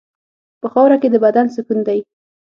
په خاوره کې د بدن سکون دی.